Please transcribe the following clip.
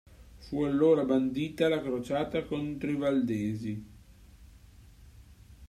Fu allora bandita la crociata contro i Valdesi.